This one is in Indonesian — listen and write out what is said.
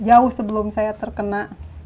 jauh sebelum saya terkena